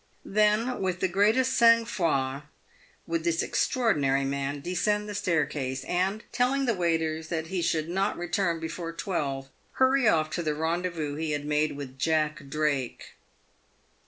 Then, with the "greatest sang froid, would this extraordinary man descend the staircase, and, telling the waiters that he should not re turn before twelve, hurry off to the rendezvous he had made with Jack Drake.